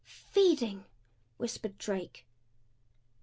"Feeding!" whispered Drake.